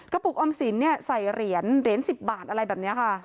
กระปุกออมสินเนี่ยใส่เหรียญ๑๐บาทอะไรแบบเนี่ยค่ะ